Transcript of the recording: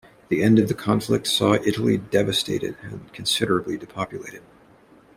The end of the conflict saw Italy devastated and considerably depopulated.